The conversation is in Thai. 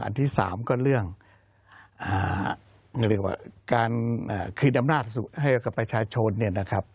อันที่๓ก็เรื่องคืนอำนาจให้กับประชาชน